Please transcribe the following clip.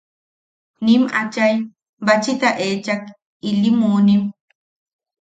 Nim achai bachita echak ili munim.